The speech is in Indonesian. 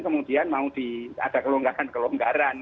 kemudian mau ada kelonggaran kelonggaran